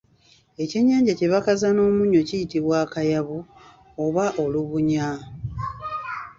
Ekyennyanja kye bakaza n’omunnyo kiyitibwa Akayabu oba Olubunya